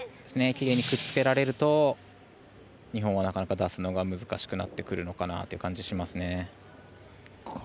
きれいにくっつけられると日本はなかなか出すのが難しくなってくるのかなっていう感じしますね。